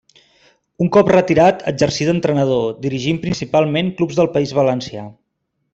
Un cop retirat exercí d'entrenador, dirigint principalment clubs del País Valencià.